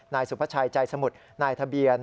นายสุภาชัยใจสมุทรนายทะเบียน